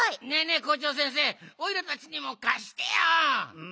え校長先生おいらたちにもかしてよ！